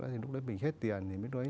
thì lúc đó mình hết tiền